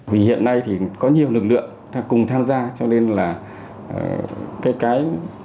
vì hiện nay thì có nhiều lực lượng cùng tham gia cho nên là cái